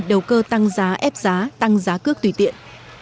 đầu cơ tăng giá ép giá tăng giá cước tùy tiện